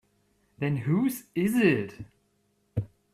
Then whose is it?